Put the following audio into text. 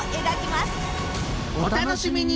お楽しみに！